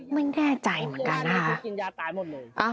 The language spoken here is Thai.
ไม่แน่ใจเหมือนกันอ่ะ